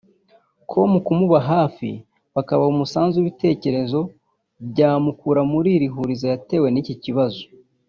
com kumuba hafi bakamuha umusanzu w’ibitekerezo byamukura muri iri hurizo yatewe n’iki kibazo